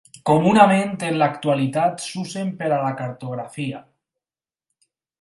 Comunament en l'actualitat s'usen per a la cartografia.